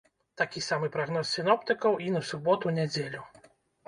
Такі самы прагноз сіноптыкаў і на суботу-нядзелю.